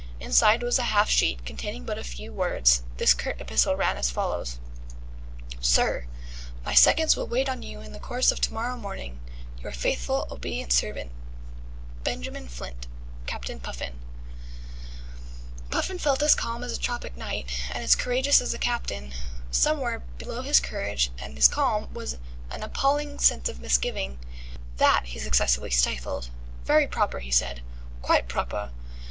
Inside was a half sheet containing but a few words. This curt epistle ran as follows: SIR, My seconds will wait on you in the course of to morrow morning. Your faithful obedient servant, BENJAMIN FLINT Captain Puffin. Puffin felt as calm as a tropic night, and as courageous as a captain. Somewhere below his courage and his calm was an appalling sense of misgiving. That he successfully stifled. "Very proper," he said aloud. "Qui' proper.